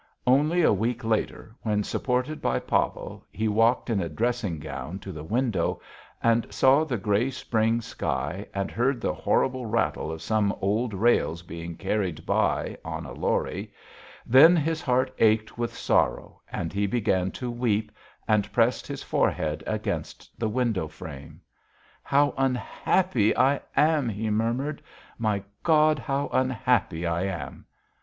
Only a week later, when, supported by Pavel, he walked in a dressing gown to the window, and saw the grey spring sky and heard the horrible rattle of some old rails being carried by on a lorry, then his heart ached with sorrow and he began to weep and pressed his forehead against the window frame. "How unhappy I am!" he murmured. "My God, how unhappy I am!"